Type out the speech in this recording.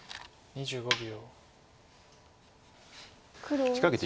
２５秒。